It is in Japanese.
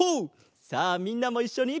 さあみんなもいっしょに。